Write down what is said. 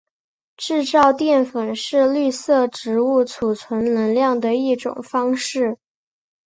制造淀粉是绿色植物贮存能量的一种方式。